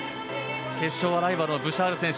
決勝はライバルのブシャール選手。